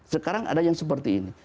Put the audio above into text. sekarang ada yang seperti ini